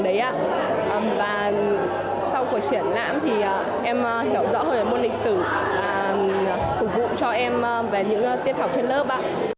và sau cuộc triển lãm thì em hiểu rõ hơn về môn lịch sử và phục vụ cho em về những tiết học trên lớp